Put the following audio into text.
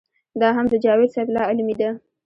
دا هم د جاوېد صېب لا علمي ده